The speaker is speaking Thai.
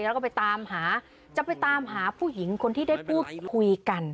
แล้วก็ไปตามหาจะไปตามหาผู้หญิงคนที่ได้พูดคุยกัน